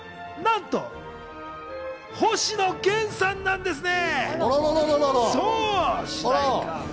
それがなんと、星野源さんなんですね。